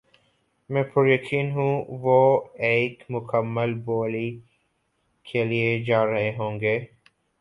میں پُریقین ہوں وہ ایک مکمل بولی کے لیے جا رہے ہوں گے